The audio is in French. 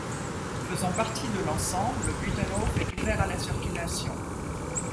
Faisant partie de l'ensemble, le Buitenhof est ouvert à la circulation.